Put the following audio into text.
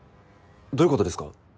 どういうことですか？